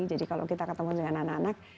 jadi kalau kita ketemu dengan anak anak